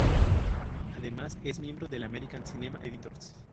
Además es miembro del American Cinema Editors.